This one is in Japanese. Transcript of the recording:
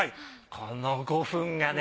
この５分がね。